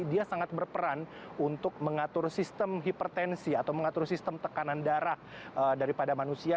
dia sangat berperan untuk mengatur sistem hipertensi atau mengatur sistem tekanan darah daripada manusia